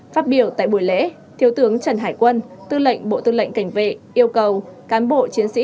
phát biểu tại buổi lễ thiếu tướng trần hải quân tư lệnh bộ tư lệnh cảnh vệ yêu cầu cán bộ chiến sĩ